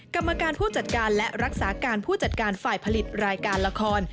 กรรมการผู้จัดการและรักษาการผู้จัดการฝ่ายผลิตรายการละคร